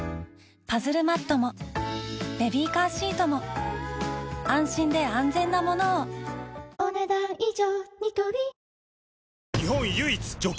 パズルマットもベビーカーシートも安心で安全なものをお、ねだん以上。